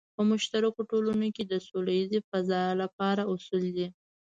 په مشترکو ټولنو کې د سوله ییزې فضا لپاره اصول دی.